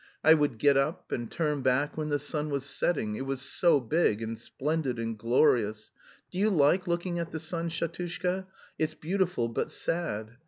I would get up, and turn back when the sun was setting, it was so big, and splendid and glorious do you like looking at the sun, Shatushka? It's beautiful but sad.